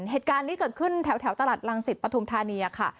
เหตุการณ์นี้เกิดขึ้นแถวตลาดรังสิตปฐุมธานีค่ะ